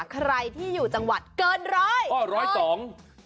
ใครที่อยู่จังหวัดเกิน๑๐๒